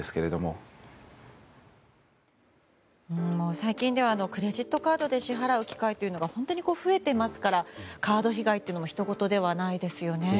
最近ではクレジットカードで支払う機会が本当に増えていますからカード被害というのもひとごとではないですよね。